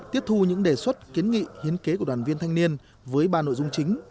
tiếp thu những đề xuất kiến nghị hiến kế của đoàn viên thanh niên với ba nội dung chính